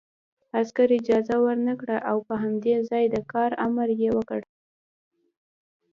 عسکر اجازه ورنکړه او په همدې ځای د کار امر یې وکړ